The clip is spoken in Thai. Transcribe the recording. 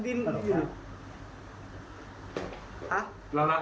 ดินอยู่ในปั๊ดเด็กได้ไงครับ